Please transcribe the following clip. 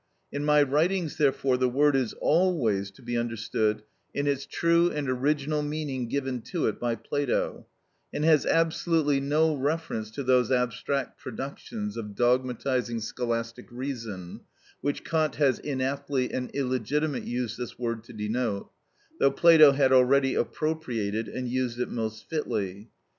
In my writings, therefore, the word is always to be understood in its true and original meaning given to it by Plato, and has absolutely no reference to those abstract productions of dogmatising scholastic reason, which Kant has inaptly and illegitimately used this word to denote, though Plato had already appropriated and used it most fitly.